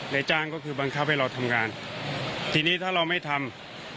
ในจ้างก็คือบังคับให้เราทำงานทีนี้ถ้าเราไม่ทำ